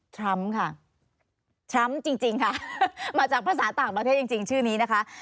ทรัมป์ค่ะทรัมป์จริงค่ะมาจากภาษาต่างประเทศจริงชื่อนี้นะคะ